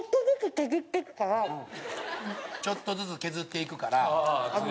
ちょっとずつ削っていくから。